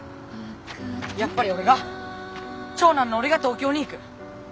やっぱり俺が長男の俺が東京に行く！